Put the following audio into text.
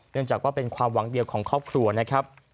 จากว่าเป็นความหวังเดียวของครอบครัวนะครับ